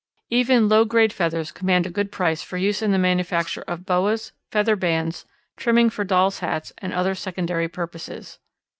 Even low grade feathers command a good price for use in the manufacture of boas, feather bands, trimming for doll's hats, and other secondary purposes.